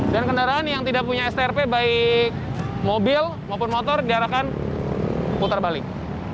dan kendaraan yang tidak punya strp baik mobil maupun motor diarahkan putar balik